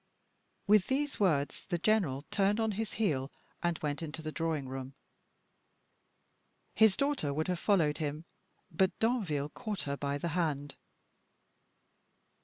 With these words the general turned on his heel, and went into the drawing room. His daughter would have followed him, but Danville caught her by the hand.